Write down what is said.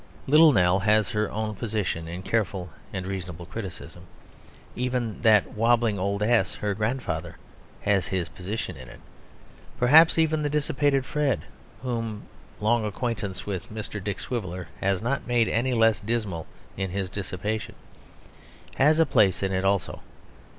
Little Nell has her own position in careful and reasonable criticism: even that wobbling old ass, her grandfather, has his position in it; perhaps even the dissipated Fred (whom long acquaintance with Mr. Dick Swiveller has not made any less dismal in his dissipation) has a place in it also.